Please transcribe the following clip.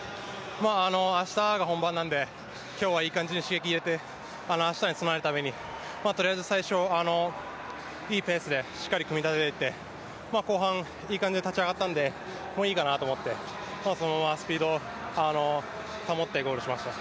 明日が本番なので今日はいい感じで刺激を入れて、明日に備えるためにとりあえず最初、いいペースでしっかり組み立てられて、後半いい感じで立ち上がったんでもういいかなと思って、そのままスピードを保ってゴールしました。